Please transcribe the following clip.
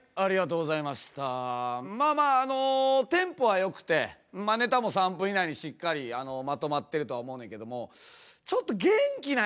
うんまあまああのテンポはよくてネタも３分以内にしっかりまとまってるとは思うねんけどもちょっと元気ないかな。